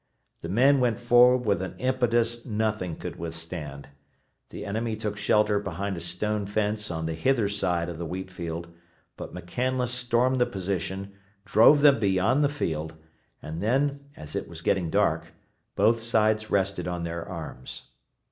The men went forward with an impetus nothing could withstand. The enemy took shelter behind a stone fence on the hither side of the wheat field, but McCandless stormed the position, drove them beyond the field, and then, as it was getting dark, both sides rested on their arms.